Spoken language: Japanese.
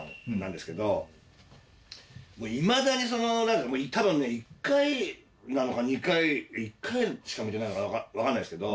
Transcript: いまだに多分１回なのか２回１回しか見てないのか分かんないですけど。